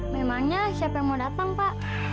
memangnya siapa yang mau datang pak